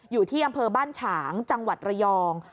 อยู่ที่อำเภอบ้านฉางจังหวัดระยอง